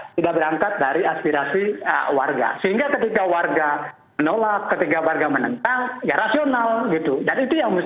secara sepihak oleh pemerintah